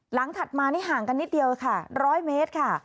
ถัดมานี่ห่างกันนิดเดียวค่ะ๑๐๐เมตรค่ะ